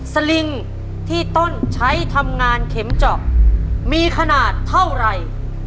สลิงที่ต้นใช้ทำงานเข็มเจาะมีขนาดเท่าไหร่